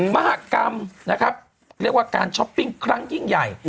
มหากรรมนะครับเรียกว่าการช้อปปิ้งครั้งยิ่งใหญ่